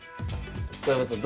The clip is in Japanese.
小山さん